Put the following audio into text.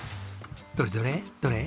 どれどれ？